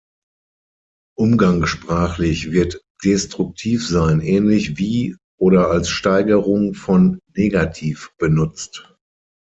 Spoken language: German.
Umgangssprachlich wird „destruktiv sein“ ähnlich wie oder als Steigerung von „negativ“ benutzt.